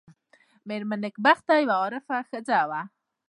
مېرمن نېکبخته یوه عارفه ښځه وه.